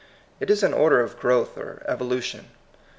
It is an order of growth or evolution.